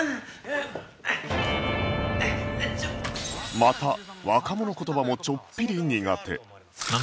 また若者言葉もちょっぴり苦手なんだ？